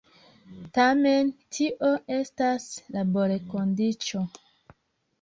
Tamen tio estas laborkondiĉo.